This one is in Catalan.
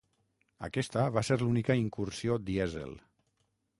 Aquesta va ser l'única incursió dièsel.